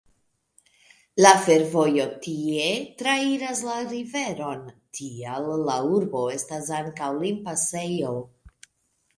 La fervojo tie trairas la riveron, tial la urbo estas ankaŭ limpasejo.